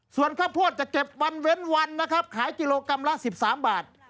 ส่วนข้าวโพดจะเก็บวันเว้นวันนะครับขายกิโลกรัมละ๑๓บาท